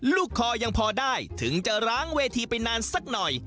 คอยังพอได้ถึงจะล้างเวทีไปนานสักหน่อย